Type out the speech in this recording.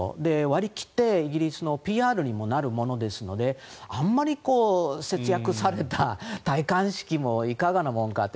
割り切ってイギリスのＰＲにもなるわけですのであまり節約された戴冠式もいかがなものかと。